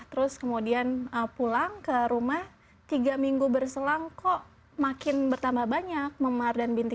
terus kemudian pulang ke rumah tiga minggu berselang kok makin bertambah banyak memar dan binti